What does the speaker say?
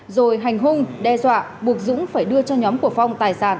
rồi hành hung đe dọa buộc dũng phải đưa cho nhóm của phong tài sản